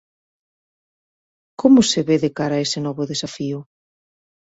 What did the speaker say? Como se ve de cara a ese novo desafío?